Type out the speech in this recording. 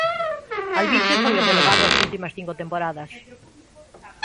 Alvite foi o delegado as últimas cinco temporadas.